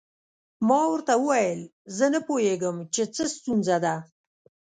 ما ورته وویل زه نه پوهیږم چې څه ستونزه ده.